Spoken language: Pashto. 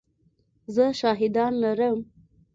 زه شاهدان لرم !